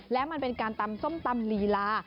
และมันเป็นการตำส้มตำลีลา